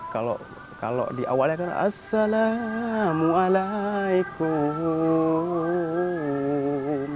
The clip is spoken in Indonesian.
kalau di awalnya assalamualaikum